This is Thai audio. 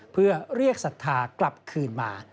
เพื่อเรียกศรัทธากลับคืนมา